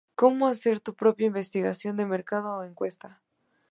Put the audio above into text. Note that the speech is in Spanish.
Cómo hacer tu propia investigación de mercado o encuesta.